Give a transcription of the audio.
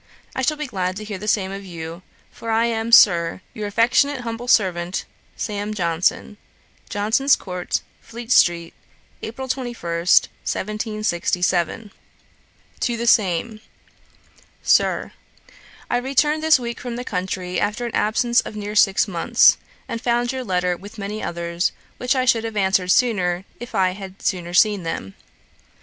I shall be glad to hear the same of you, for I am, Sir, 'Your affectionate humble servant, 'SAM. JOHNSON.' 'Johnson's court, Fleet street, April 21, 1767.' 'TO THE SAME. 'SIR, 'I returned this week from the country, after an absence of near six months, and found your letter with many others, which I should have answered sooner, if I had sooner seen them.